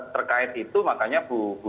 terkait itu makanya bu